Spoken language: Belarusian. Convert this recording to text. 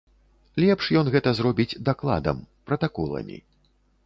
Лепш ён гэта зробіць дакладам, пратаколамі.